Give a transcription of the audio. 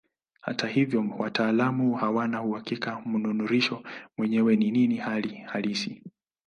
Hata hivyo wataalamu hawana uhakika mnururisho mwenyewe ni nini hali halisi.